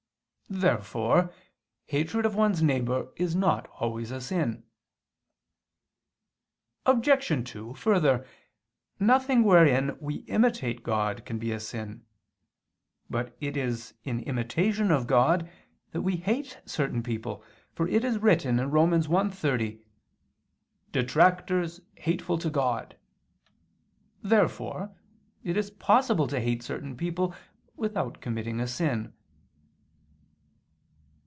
Therefore hatred of one's neighbor is not always a sin. Obj. 2: Further, nothing wherein we imitate God can be a sin. But it is in imitation of God that we hate certain people: for it is written (Rom. 1:30): "Detractors, hateful to God." Therefore it is possible to hate certain people without committing a sin.